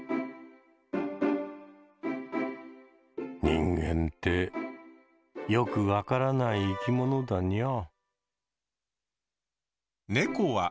人間ってよく分からない生き物だにゃ。